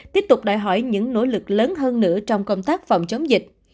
tiếp tục đòi hỏi những nỗ lực lớn hơn nữa trong công tác phòng chống dịch